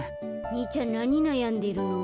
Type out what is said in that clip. にいちゃんなになやんでるの？